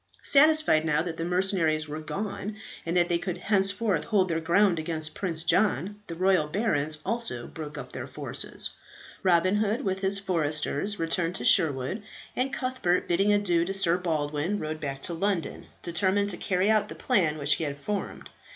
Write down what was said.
Satisfied, now that the mercenaries were gone, that they could henceforth hold their ground against Prince John, the royal barons also broke up their forces. Robin Hood with his foresters returned to Sherwood; and Cuthbert, bidding adieu to Sir Baldwin, rode back to London, determined to carry out the plan which he had formed.